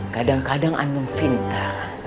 kadang kadang antum finta